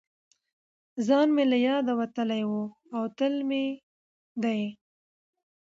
ځان مې له یاده وتلی و او تل مې دې